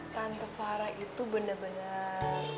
tante farah itu bener bener